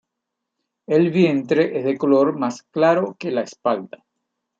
El vientre es de color más claro que la espalda.